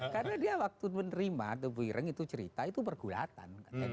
karena dia waktu menerima the buirang itu cerita itu perkulatan